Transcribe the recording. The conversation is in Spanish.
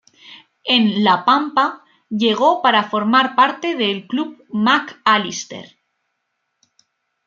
En La Pampa, llegó para formar parte del club Mac Allister.